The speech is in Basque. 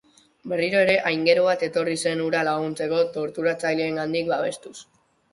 Berriro ere, aingeru bat etorri zen hura laguntzeko torturatzaileengandik babestuz.